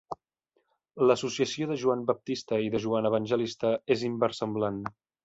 L'associació de Joan Baptista i de Joan Evangelista, és inversemblant.